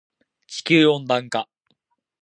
地球温暖化